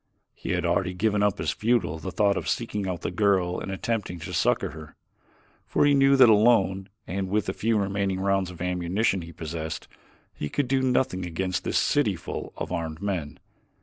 He had already given up as futile the thought of seeking out the girl and attempting to succor her, for he knew that alone and with the few remaining rounds of ammunition he possessed, he could do nothing against this city full of armed men.